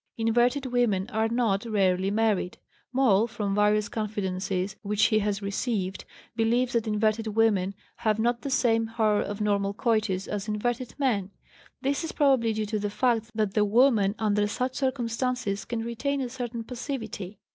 Inverted women are not rarely married. Moll, from various confidences which he has received, believes that inverted women have not the same horror of normal coitus as inverted, men; this is probably due to the fact that the woman under such circumstances can retain a certain passivity.